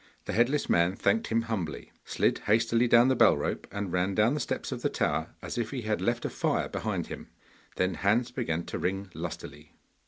The headless man thanked him humbly, slid hastily down the bell rope, and ran down the steps of the tower as if he had left a fire behind him. Then Hans began to ring lustily.